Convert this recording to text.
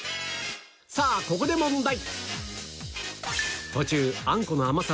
さぁここで問題！